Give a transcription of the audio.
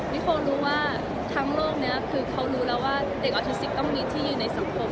นิโครู้ว่าทั้งโลกนี้คือเขารู้แล้วว่าเด็กออทิซิกต้องมีที่ยืนในสังคม